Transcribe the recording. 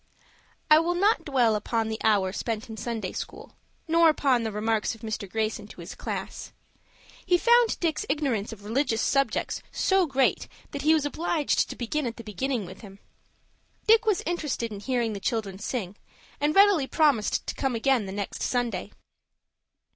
I will not dwell upon the hour spent in Sunday school, nor upon the remarks of Mr. Greyson to his class. He found Dick's ignorance of religious subjects so great that he was obliged to begin at the beginning with him. Dick was interested in hearing the children sing, and readily promised to come again the next Sunday.